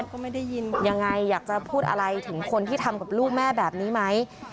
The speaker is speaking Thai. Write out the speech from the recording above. คุณแม่อยากจะพูดอะไรถึงคนที่ทำกับลูกแม่แบบนี้ไหม